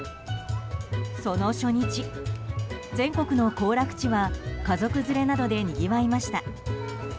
その初日、全国の行楽地は家族連れなどでにぎわいました。